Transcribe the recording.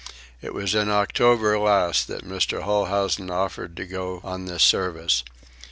It was in October last that Mr. Holhousen offered to go on this service.